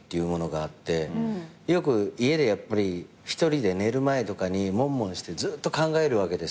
よく家で一人で寝る前とかにもんもんしてずっと考えるわけ。